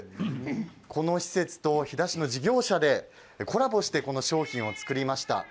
この施設と飛弾市の事業者でコラボして商品を作ります。